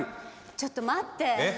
ちょっと待って。